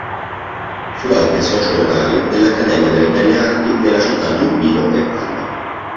Fu anche socio onorario dell'accademia delle Belle Arti nella città di Urbino e Parma.